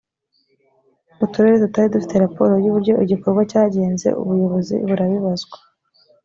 uturere tutari dufite raporo y’uburyo igikorwa cyagenze ubuyobozi burabibazwa